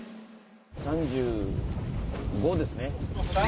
３５ですね。